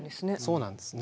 そうなんですね。